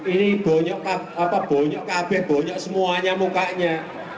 ini bonyok kb bonyok semuanya mukanya